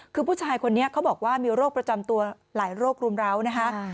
คือผู้ชายคนนี้เขาบอกว่ามีโรคประจำตัวหลายโรครุมร้าวนะคะ